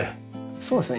そうですね。